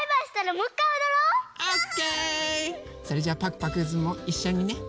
それじゃあパクパクズもいっしょにね。